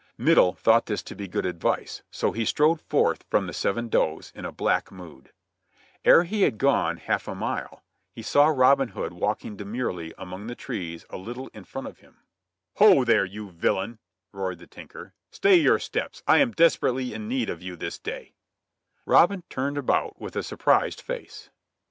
Middle thought this to be good advice, and he strode forth from the "Falcon" in a black mood. Ere he had gone half a mile upon the road he perceived Robin demurely walking under the trees a little in front of him. "Ho there! you villain!" shouted Middle. "Stay your steps. I am most desperately in need of you this day!" Robin turned about with a surprised face.